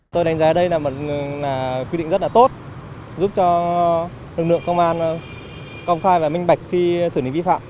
tôi đánh giá đây là một quy định rất là tốt giúp cho lực lượng công an công khai và minh bạch khi xử lý vi phạm